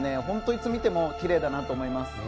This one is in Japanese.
本当にいつ見てもきれいだなと思います。